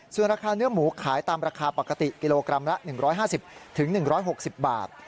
ส่วนราคาเนื้อหมูขายตามราคาปกติกิโลกรัมละ๑๕๐๑๖๐บาท